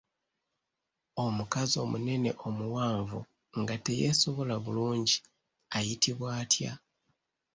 Omukazi omunene omuwanvu nga teyeesobola bulungi ayitibwa atya?